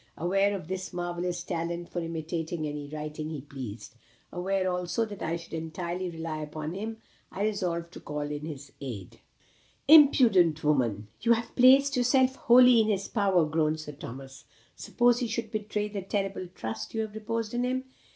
"Aware of his marvellous talent for imitating any writing he pleased aware, also, that I could entirely rely upon him, I resolved to call in his aid." "Imprudent woman! You have placed yourself wholly in his power," groaned Sir Thomas. "Suppose he should betray the terrible trust you have reposed in him?"